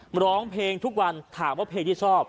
ร้องเพลงทุกวันถามว่าเพลงที่ชอบ